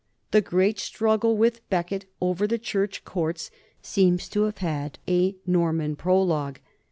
The great struggle with Becket over the church courts seems to have had a Norman pro logue.